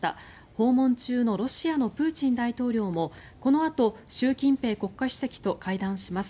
訪問中のロシアのプーチン大統領もこのあと、習近平国家主席と会談します。